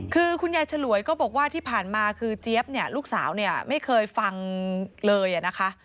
คือคุณยายฉลวยก็บอกว่าที่ผ่านมาคือเจี๊ยบเนี่ยลูกสาวเนี่ยไม่เคยฟังเลยนะคะ